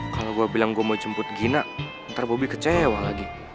kalau gue bilang gue mau jemput gina ntar bobby kecewa lagi